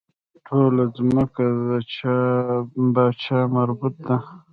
ټوله ځمکه د پاچا مربوط ده.